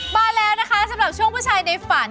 มาแล้วนะคะสำหรับช่วงผู้ชายในฝัน